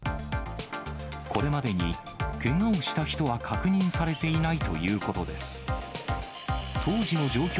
これまでにけがをした人は確認されていないということです。